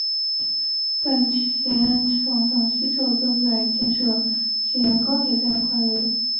站前广场西侧正在建设信阳高铁站快乐园。